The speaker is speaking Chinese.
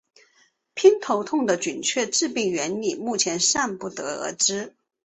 偏头痛的准确致病原理目前尚不得而知。